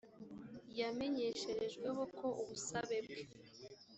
yamenyesherejweho ko ubusabe bwe